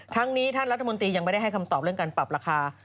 ทั้งนี้ท่านรัฐมนตรียังไม่ได้ให้คำตอบเรื่องการปรับราคา